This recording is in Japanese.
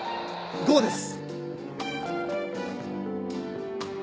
ゴーです。